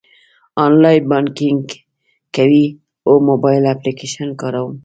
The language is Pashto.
آنلاین بانکینګ کوئ؟ هو، موبایل اپلیکیشن کاروم